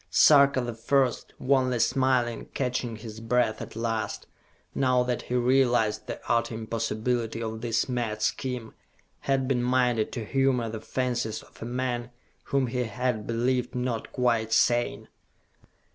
Sarka the First, wanly smiling, catching his breath at last, now that he realized the utter impossibility of this mad scheme, had been minded to humor the fancies of a man whom he had believed not quite sane.